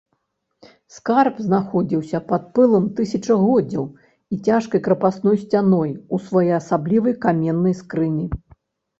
Скарб знаходзіўся пад пылам тысячагоддзяў і цяжкай крапасной сцяной у своеасаблівай каменнай скрыні.